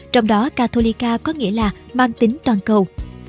trong đó catholica có nghĩa là mang tính toàn cầu